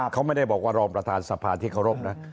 เขาไม่ได้บอกว่ารองประธานสภาที่เคารพนะ